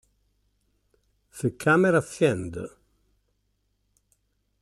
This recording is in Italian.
The Camera Fiend